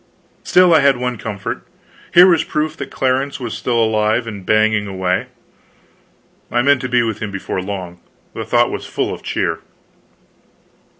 Still, I had one comfort here was proof that Clarence was still alive and banging away. I meant to be with him before long; the thought was full of cheer.